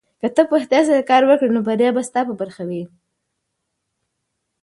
که ته په رښتیا سره کار وکړې نو بریا به ستا په برخه وي.